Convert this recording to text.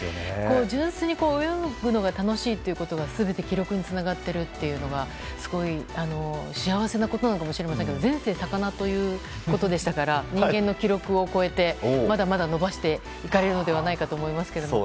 純粋に泳ぐのが楽しいっていうことが全て記録につながっているというのがすごい幸せなことなのかもしれませんけど前世、魚ということでしたから人間の記録を超えてまだまだ伸ばしていかれるのではないかと思います。